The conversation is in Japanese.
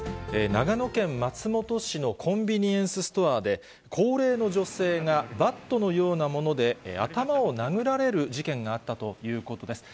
長野県松本市のコンビニエンスストアで、高齢の女性がバットのようなもので頭を殴られる事件があったということです。